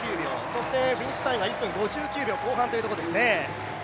そしてフィニッシュタイムは１分５９秒後半というところですね。